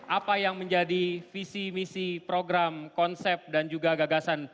apa yang menjadi visi misi program konsep dan juga gagasan